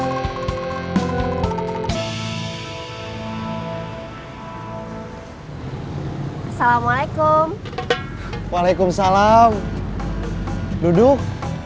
assalamualaikum waalaikumsalam duduk